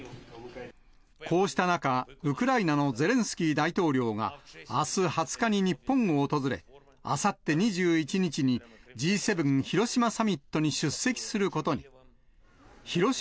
こうした中、ウクライナのゼレンスキー大統領が、あす２０日に日本を訪れ、あさって２１日に、そんなに大口開けて笑うんだ。